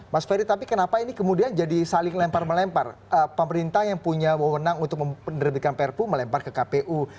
mas ferry tapi kenapa ini kemudian jadi saling lempar melempar pemerintah yang punya wewenang untuk menerbitkan perpu melempar ke kpu